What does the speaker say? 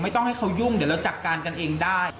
ต้องให้เขายุ่งเดี๋ยวเราจัดการกันเองได้